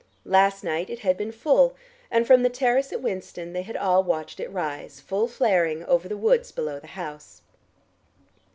Last night it had been full, and from the terrace at Winston they had all watched it rise, full flaring, over the woods below the house.